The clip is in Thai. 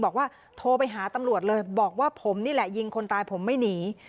บอกว่าโทรไปหาตำรวจเลยบอกว่าผมนี่แหละยิงคนตายผมไม่หนี